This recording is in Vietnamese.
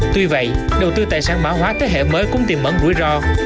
tuy vậy đầu tư tài sản bá hóa thế hệ mới cũng tìm mẫn rủi ro